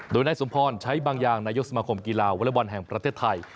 โดยแน้สุมพลชัยบั่งยางในยุคสมคมกีฬาวลาบอลแพนกท่าไทย